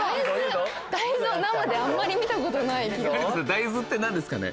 大豆ってなんですかね？